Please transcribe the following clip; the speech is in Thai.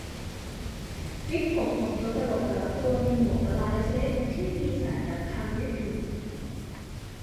วิกผมของตัวตลกแต่ละตัวมีหมวกกะลาเล็ก ๆ ที่มีสายรัดคางยืดหยุ่น